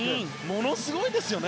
ものすごいですよね。